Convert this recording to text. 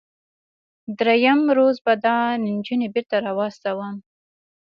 دریم روز به دا نجونې بیرته راواستوم.